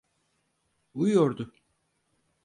Uyuyordu.